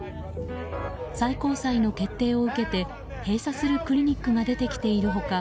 最高裁の決定を受けて閉鎖するクリニックが出てきている他